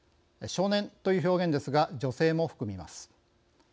少年という表現ですが女性も含みます。